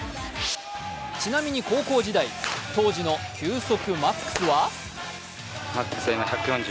ちなみに高校時代、当時の球速マックスは？